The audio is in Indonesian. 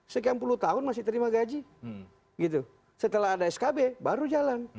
sekian puluh tahun masih terima gaji gitu setelah ada skb baru jalan